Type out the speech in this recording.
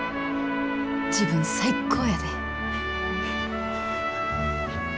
自分最高やで！